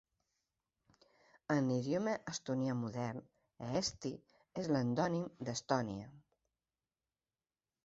En l'idioma estonià modern, "'Eesti'" és l'endònim d''Estònia'.